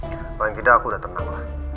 kalau yang tidak aku udah tenang